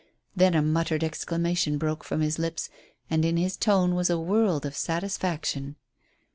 Then a muttered exclamation broke from his lips, and in his tone was a world of satisfaction.